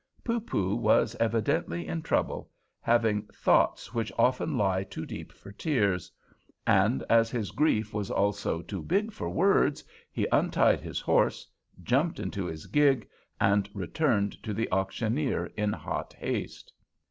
Poopoo was evidently in trouble, having "thoughts which often lie too deep for tears"; and, as his grief was also too big for words, he untied his horse, jumped into his gig, and returned to the auctioneer in hot haste.